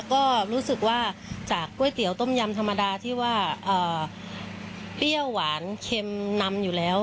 ก็รู้สึกว่าจากก๋วยเตี๋ยวต้มยำธรรมดาที่ว่าเปรี้ยวหวานเค็มนำอยู่แล้ว